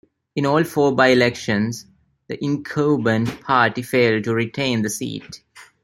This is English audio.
In all four by-elections, the incumbent party failed to retain the seat.